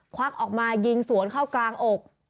ควักออกมายิงสวนเข้ากลางอก